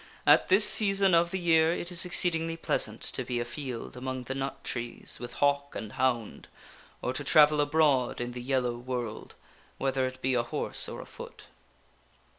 At this season of the year it is exceedingly pleasant to be a field among the nut trees with hawk and hound, or to travel abroad in the yellow world, whether it be a horse or a foot.